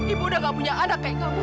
ibu udah gak punya anak kayak kamu